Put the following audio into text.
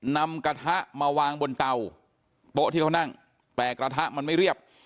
นำกระทะมาวางบนเตาโต๊ะที่เขานั่งแต่กระทะมันไม่เรียบ